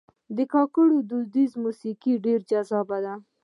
د کاکړ دودیزه موسیقي ډېر جذابه ده.